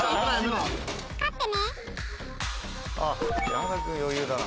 山田君余裕だな。